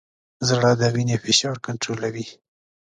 زړه د وینې فشار کنټرولوي.